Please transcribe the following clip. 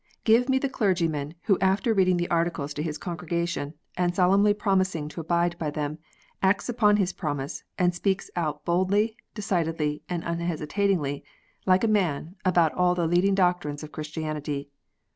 Give me the clergyman who, after reading the Articles to his congregation, and solemnly promising to abide by them, acts up to his promise, and speaks out boldly, decidedly, and unhesitatingly, like a man, about all the leading doctrines of Christianity.